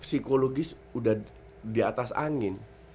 psikologis sudah di atas angin